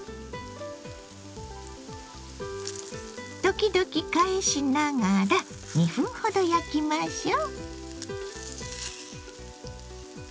時々返しながら２分ほど焼きましょう。